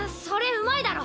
うまいだろ？